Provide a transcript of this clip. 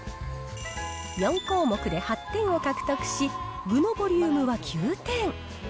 ４項目で８点を獲得し、具のボリュームは９点。